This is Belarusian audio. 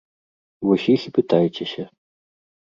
Вось іх і пытайцеся.